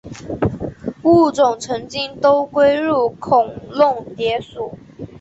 物种曾经都归入孔弄蝶属。